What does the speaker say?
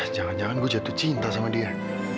jangan jangan gue jatuh cinta sama dia